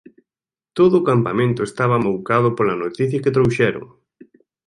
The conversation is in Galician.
Todo o campamento estaba amoucado pola noticia que trouxeron.